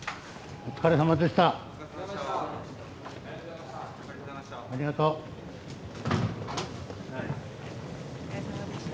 お疲れさまでした。